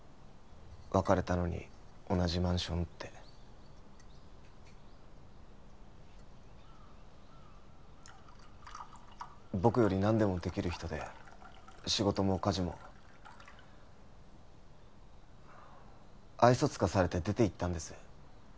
別れたのに同じマンションって僕より何でもできる人で仕事も家事も愛想尽かされて出ていったんです